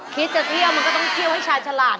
จะเที่ยวมันก็ต้องเที่ยวให้ชายฉลาด